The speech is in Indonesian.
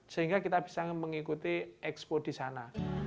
sehingga kita bisa mengikuti expo di sana